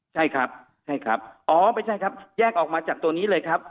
ใช่ครับใช่ครับอ๋อไม่ใช่ครับแยกออกมาจากตัวนี้เลยครับ